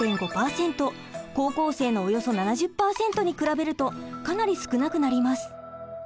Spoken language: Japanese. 高校生のおよそ７０％に比べるとかなり少なくなります。